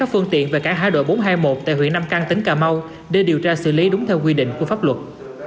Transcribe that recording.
các phương tiện và cả hai đội bốn trăm hai mươi một tại huyện nam căng tỉnh cà mau đều điều tra xử lý đúng theo quy định của pháp luật